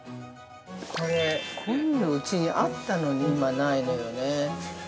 ◆これ、こういうのうちにあったのに、今ないのよね。